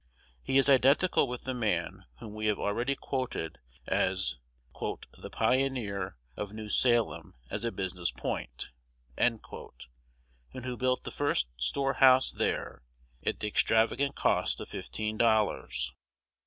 He is identical with the man whom we have already quoted as "the pioneer of New Salem as a business point," and who built the first storehouse there at the extravagant cost of fifteen dollars.